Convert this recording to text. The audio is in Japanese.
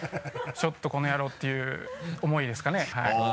ちょっとコノヤロウっていう思いですかね。